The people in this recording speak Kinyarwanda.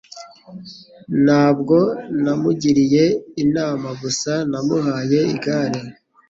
Ntabwo namugiriye inama gusa, namuhaye igare.